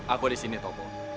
aku disini topo